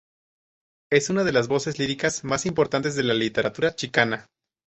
Es una de las voces líricas más importantes de la literatura chicana.